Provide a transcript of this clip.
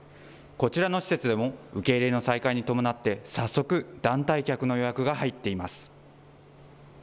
こちらの施設でも、受け入れの再開に伴って、早速、団体客の予約が入っています。